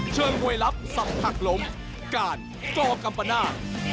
เชิงเวยรับศัพท์ผลักลมก้างก้อกัมปะน่า